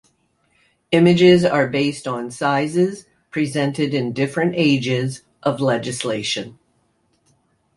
Images are based on sizes presented in different ages of legislation.